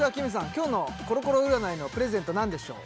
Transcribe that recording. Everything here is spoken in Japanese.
今日のコロコロ占いのプレゼント何でしょう？